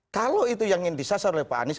kalau itu yang ingin disasar oleh pak anies